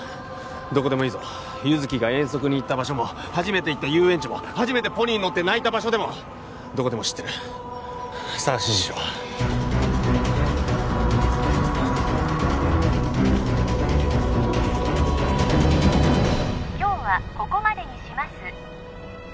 どこでもいいぞ優月が遠足に行った場所も初めて行った遊園地も初めてポニーに乗って泣いた場所でもどこでも知ってるさあ指示しろ今日はここまでにします